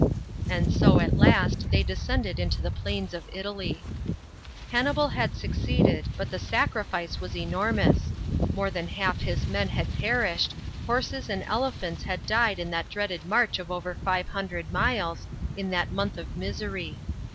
And so, at last they descended into the plains of Italy. Hannibal had succeeded, but tbe sacrifice was enormous. More than half his ifien had perished; horses and elephants had died in that dreaded 168 HANNIBAL'S VICTORY. [B.C. 217. march of over 500 miles, in that month of misery.